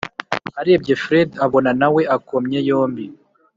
arebye fred abona nawe akomye yombi.